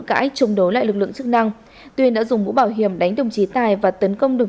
chống đối loại lực lượng chức năng tuyên đã dùng mũ bảo hiểm đánh đồng chí tài và tấn công đồng